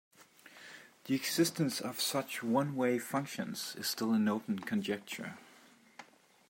The existence of such one-way functions is still an open conjecture.